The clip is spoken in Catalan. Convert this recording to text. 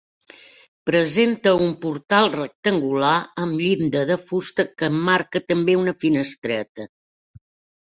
Presenta un portal rectangular amb llinda de fusta que emmarca també una finestreta.